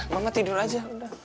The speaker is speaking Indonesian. mama tidur aja